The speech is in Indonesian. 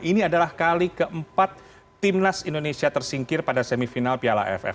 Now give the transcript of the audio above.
ini adalah kali keempat timnas indonesia tersingkir pada semifinal piala aff